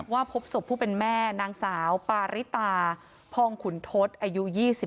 พบศพผู้เป็นแม่นางสาวปาริตาพ่องขุนทศอายุ๒๓